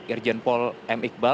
irjen pol m iqbal